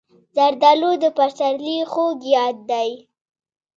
زردالو د پسرلي خوږ یاد دی.